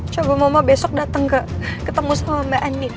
coba mama besok datang ke ketemu sama mbak andin